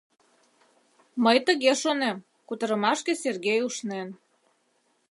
— Мый тыге шонем, — кутырымашке Сергей ушнен.